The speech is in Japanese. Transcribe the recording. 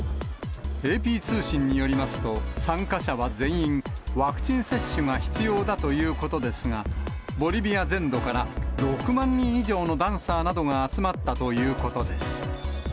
ＡＰ通信によりますと、参加者は全員、ワクチン接種が必要だということですが、ボリビア全土から６万人以上のダンサーなどが集まったということです。